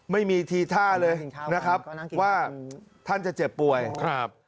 ไม่มีทีท่าเลยนะครับว่าท่านจะเจ็บป่วยครับ